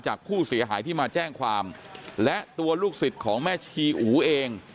จากผู้เสียหายที่มาแจ้งความและตัวลูกศิษย์ของแม่ชีอูเอง